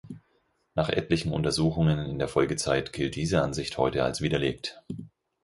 Nach etlichen Untersuchungen in der Folgezeit gilt diese Ansicht heute als widerlegt.